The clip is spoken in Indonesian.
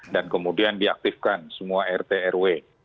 dan kemudian diaktifkan semua rt rw